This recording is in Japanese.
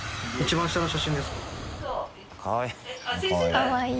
かわいい。